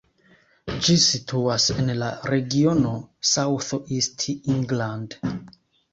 Ĝi situas en la regiono South East England.